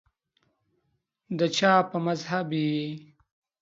دچا په مذهب یی